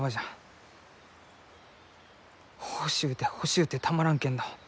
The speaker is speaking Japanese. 欲しゅうて欲しゅうてたまらんけんど